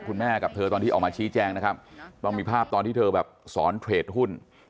แม่กับเธอตอนที่ออกมาชี้แจงนะครับต้องมีภาพตอนที่เธอแบบสอนเทรดหุ้น